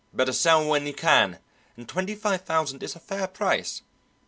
Better sell when you can, and twenty five thousand is a fair price.